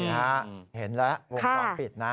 เห็นแล้ววงความผิดน่ะ